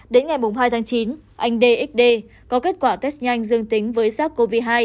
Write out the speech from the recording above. đến ngày hai tháng chín anh dxd có kết quả test nhanh dương tính với sars cov hai